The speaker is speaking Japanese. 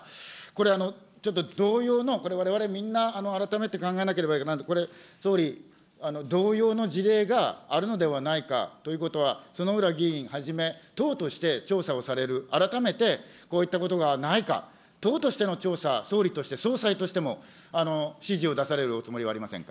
これ、ちょっと同様の、これ、われわれみんな、改めて考えなければいけないので、これ総理、同様の事例があるのではないかということは、薗浦議員はじめ、党として調査をされる、改めてこういったことがないか、党としての調査、総理として、総裁としても、指示を出されるおつもりはありません